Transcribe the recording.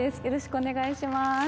よろしくお願いします